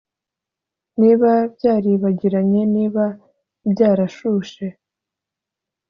Niba byaribagiranye niba byarashushe